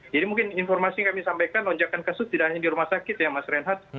jadi mungkin informasi kami sampaikan lonjakan kasus tidak hanya di rumah sakit ya mas rehat